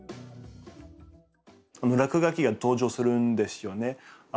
落書きが登場するんですよね。